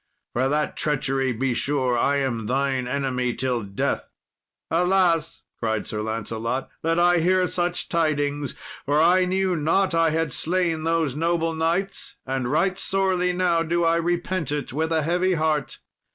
For that treachery, be sure I am thine enemy till death." "Alas!" cried Sir Lancelot, "that I hear such tidings, for I knew not I had slain those noble knights, and right sorely now do I repent it with a heavy heart.